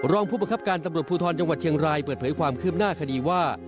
รองผู้ประคับการตำรวจภูทรจังหวัดเชียงรายเปิดเผยความคืบหน้าคดีว่า